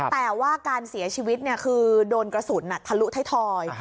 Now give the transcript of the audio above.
แต่ว่าการเสียชีวิตคือโดนกระสุนทะลุท้ายทอย